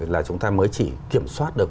là chúng ta mới chỉ kiểm soát được